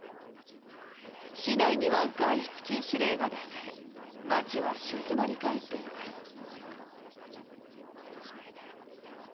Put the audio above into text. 市内には外出禁止令が出され街は静まり返っています。